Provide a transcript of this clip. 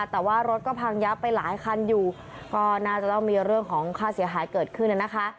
แต่ว่ารถก็พังยับไปหลายคันอยู่ก็น่าจะต้องมีเรื่องของค่าเสียหายเกิดขึ้นนะคะ